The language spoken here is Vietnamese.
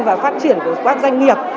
và phát triển của các doanh nghiệp